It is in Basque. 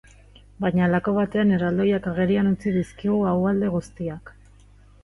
Baina halako batean, erraldoiak agerian utzi dizkigu ahuldade guztiak.